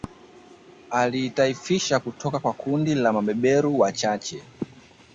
Aliitaifisha kutoka kwa kundi la mabeberu wachache